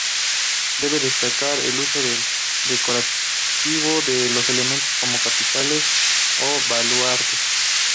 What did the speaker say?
Cabe destacar el uso decorativo de los elementos como capiteles o balaustres.